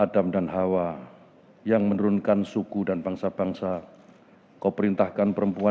doa bersama dipimpin oleh menteri agama republik indonesia